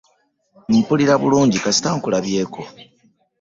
Mpulira bulungi kasita nkulabyeeko.